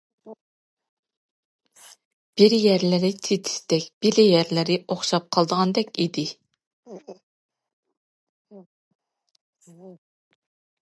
بىر يەرلىرى چېتىشتەك، بىر يەرلىرى ئوخشاپ قالىدىغاندەك ئىدى.